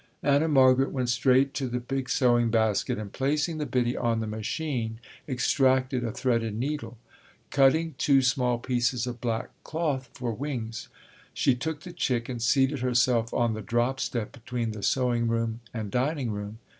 Anna Margaret went straight to the big sewing basket and placing the biddie on the machine extracted a threaded needle. Cutting two small pieces of black cloth for wings, she took the chick and seated herself on the drop step between the sewing room and dining room.